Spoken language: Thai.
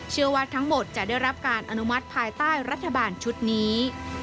เชื่อว่าทั้งหมดจะได้รับการอนุมัติภายใต้รัฐบาลชุดนี้